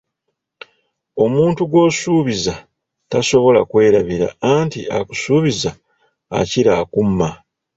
Omuntu gw’osuubiza tasobala kwerabira, anti akusuubiza akira akumma.